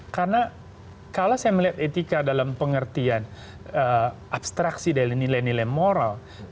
karena kalau saya melihat etika dalam pengertian abstraksi dari nilai nilai moral